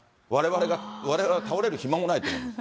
われわれが倒れる暇もないと思います。